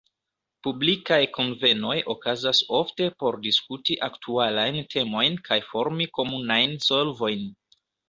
Publikaj kunvenoj okazas ofte por diskuti aktualajn temojn kaj formi komunajn solvojn.